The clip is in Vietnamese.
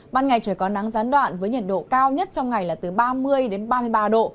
ban ngày trời có nắng gián đoạn với nhiệt độ cao nhất trong ngày là từ ba mươi ba mươi ba độ